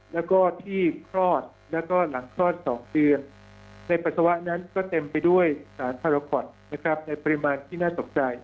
แล้วก็ที่คลอดแล้วก็หลังคลอด๒เดือนในปัสสาวะนั้นก็เต็มไปด้วยสารพาราคอตในปริมาณที่น่าตกใจ